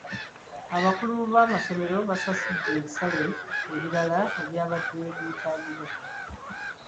Abakulu b'amasomero baasasudde ebisale ebirala ebyabadde byetaagibwa.